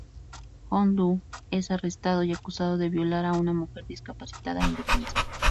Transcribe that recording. Jong-du es arrestado y acusado de violar a una mujer discapacitada e indefensa.